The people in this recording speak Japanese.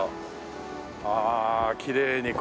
ああきれいにこう。